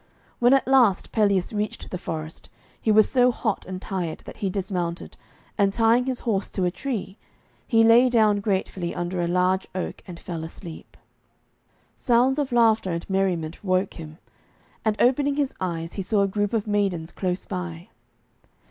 When at last Pelleas reached the forest, he was so hot and tired that he dismounted, and tying his horse to a tree, he lay down gratefully under a large oak and fell asleep. Sounds of laughter and merriment woke him, and opening his eyes he saw a group of maidens close by.